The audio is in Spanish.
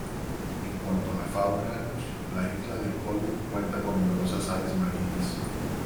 En cuanto a la fauna, la isla de Colom cuenta con numerosas aves marinas.